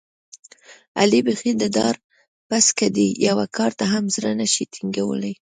علي بیخي د ډار پسکه دی، یوه کار ته هم زړه نشي ټینګولی.